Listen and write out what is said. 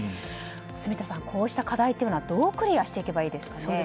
住田さん、こうした課題はどうクリアしていけばいいですか。